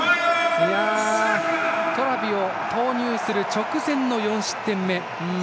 トラビを投入する直前の４失点目。